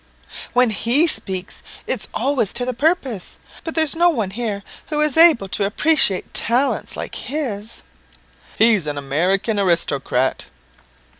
"When he speaks, it's always to the purpose. But there's no one here who is able to appreciate talents like his." "He's an American aristocrat."